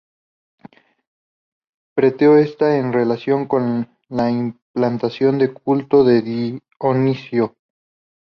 Preto está en relación con la implantación del culto de Dioniso.